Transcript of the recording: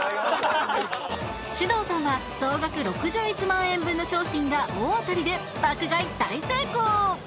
獅童さんは総額６１万円分の商品が大当たりで爆買い大成功！